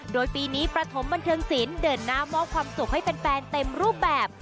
โดยปีนี้ประถมบันเทิงศิลป์เดินหน้ามอบความสุขให้แฟนเต็มรูปแบบ